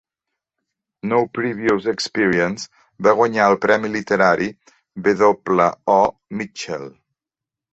"No Previous Experience" va guanyar el premi literari W. O. Mitchell.